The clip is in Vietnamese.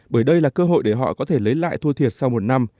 bởi đây là cơ hội để họ có thể lấy lại thua thiệt sau một năm